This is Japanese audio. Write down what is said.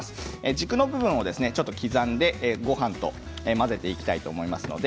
軸の部分をちょっと刻んでごはんと混ぜていきたいと思います。